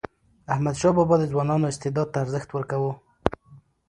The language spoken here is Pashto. احمدشاه بابا د ځوانانو استعداد ته ارزښت ورکاوه.